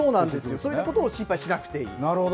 そういうことを心配しなくていい。